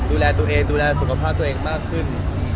ดูแลตัวเองดูแลสุขภาพตัวเองมากขึ้น